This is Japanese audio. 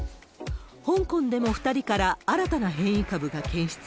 香港でも２人から新たな変異株が検出。